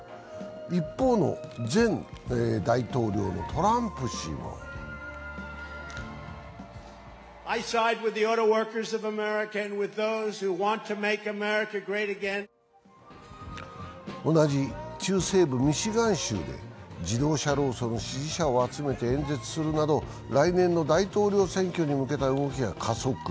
一方の前大統領のトランプ氏は同じ中西部ミシガン州で、自動車労組の支持者を集めて演説するなど、来年の大統領選挙に向けた動きが加速。